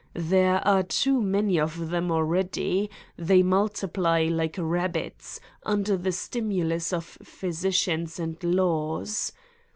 There are too many of them, already. They multiply like rabbits, under the stimulus of physicians and laws.